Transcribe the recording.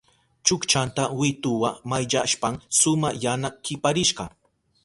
Chukchanta wituwa mayllashpan suma yana kiparishka.